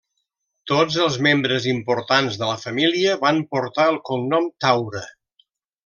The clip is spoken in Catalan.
Tots els membres importants de la família van portar el cognom Taure.